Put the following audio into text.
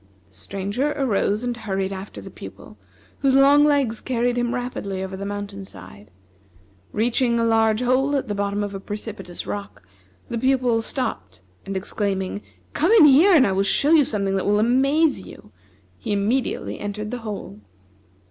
The Stranger arose and hurried after the Pupil, whose long legs carried him rapidly over the mountain side. Reaching a large hole at the bottom of a precipitous rock, the Pupil stopped, and exclaiming: "Come in here and I will show you something that will amaze you!" he immediately entered the hole.